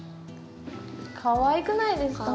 かわいくないですか？